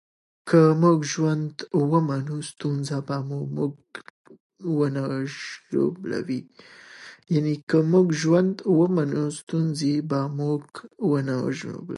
که موږ ژوند ومنو، ستونزې به موږ ونه ژوبلوي.